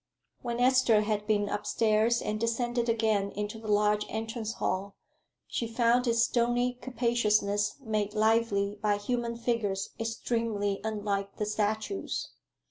When Esther had been up stairs and descended again into the large entrance hall, she found its stony capaciousness made lively by human figures extremely unlike the statues.